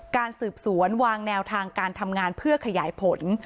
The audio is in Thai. การสืบสวนวางแนวทางการทำงานเพื่อขยายผล